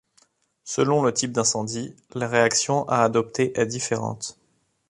Selon le type d’incendie, la réaction à adopter est différente.